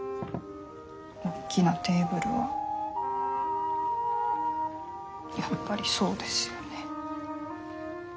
大きなテーブルはやっぱりそうですよね。